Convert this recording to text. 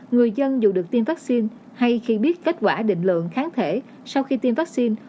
người dân dù được tiêm vaccine hay khi biết kết quả định lượng kháng thể sau khi tiêm vaccine